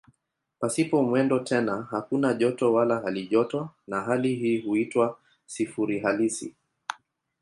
Pasipo mwendo tena hakuna joto wala halijoto na hali hii huitwa "sifuri halisi".